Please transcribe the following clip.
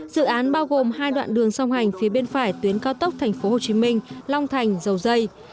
dự án bao gồm hai đoạn đường song hành phía bên phải tuyến cao tốc tp hcm long thành dầu dây